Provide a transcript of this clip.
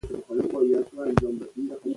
موږ باید د خپل هېواد تاریخ ته په درناوي وګورو.